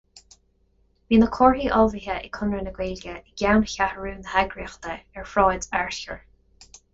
Bhí na comharthaí ullmhaithe ag Conradh na Gaeilge i gceanncheathrú na heagraíochta ar Shráid Fhearchair.